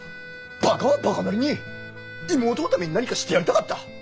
バカはバカなりに妹のために何かしてやりたかった。